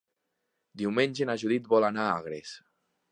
Diumenge na Judit vol anar a Agres.